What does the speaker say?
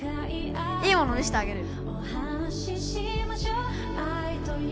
いいもの見せてあげるよ。